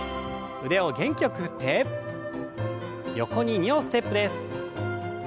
腕を元気よく振って横に２歩ステップです。